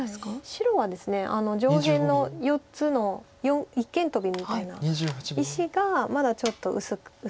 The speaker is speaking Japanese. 白はですね上辺の４つの一間トビみたいな石がまだちょっと薄いので。